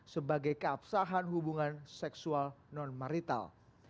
sebagai keabsahan hubungan seksual non marital